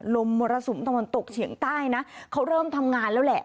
มรสุมตะวันตกเฉียงใต้นะเขาเริ่มทำงานแล้วแหละ